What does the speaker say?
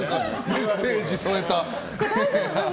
メッセージ添えた。